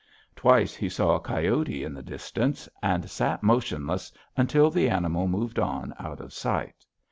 Twice he saw a coyote in the distance, and sat motionless until the animal moved on out of sight.